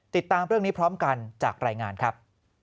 ติดตามเรื่องนี้พร้อมกันจากรายงานครับ